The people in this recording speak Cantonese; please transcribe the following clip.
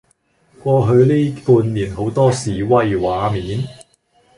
過去呢半年好多示威場面